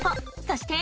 そして。